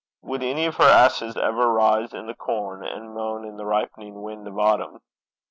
Would any of her ashes ever rise in the corn, and moan in the ripening wind of autumn?